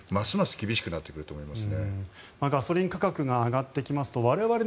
厳しくなってくると思います。